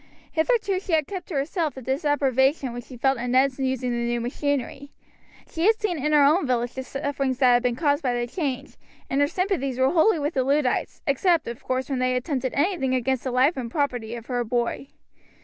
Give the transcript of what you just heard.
Hitherto she had kept to herself the disapprobation which she felt at Ned's using the new machinery. She had seen in her own village the sufferings that had been caused by the change, and her sympathies were wholly with the Luddites, except of course when they attempted anything against the life and property of her boy.